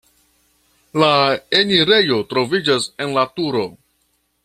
La enirejo troviĝas en la turo.